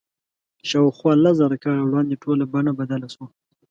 شاوخوا لس زره کاله وړاندې ټوله بڼه بدله شوه.